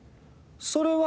それは。